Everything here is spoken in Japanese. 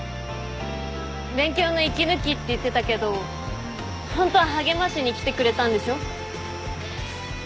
勉強の息抜きって言ってたけどホントは励ましに来てくれたんでしょ？